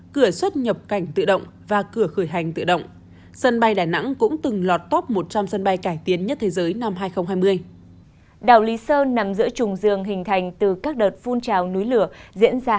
cửa xuất nhập cảnh tự động và cửa khởi hành tự động